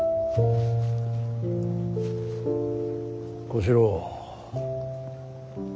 小四郎。